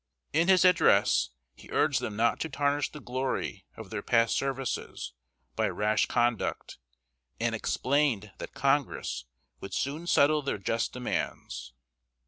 In his address he urged them not to tarnish the glory of their past services by rash conduct, and explained that Congress would soon settle their just demands.